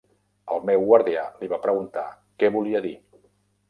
El meu guardià li va preguntar què volia dir.